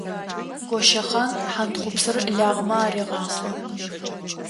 Гощэхъан хьантхъупсыр лагъэмэ арегъахъо.